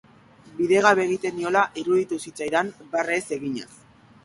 Bidegabe egiten niola iruditu zitzaidan barre ez eginaz.